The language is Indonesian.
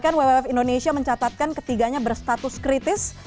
kan wwf indonesia mencatatkan ketiganya berstatus kritis